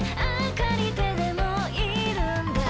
借りてでもいるんだ